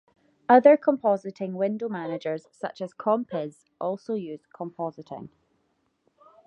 Other compositing window managers such as Compiz also use compositing.